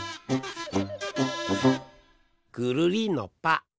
ぐるりんのぱ。